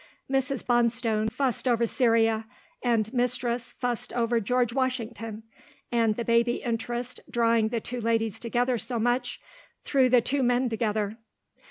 Mrs. Bonstone fussed over Cyria, and mistress fussed over George Washington, and the baby interest drawing the two ladies together so much, threw the two men together.